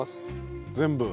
全部？